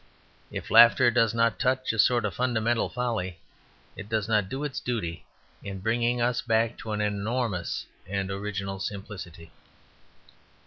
If laughter does not touch a sort of fundamental folly, it does not do its duty in bringing us back to an enormous and original simplicity.